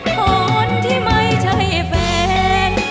คนที่ไม่ใช่แฟน